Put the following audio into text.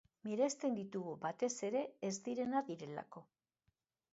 Miresten ditugu, batez ere, ez direna direlako.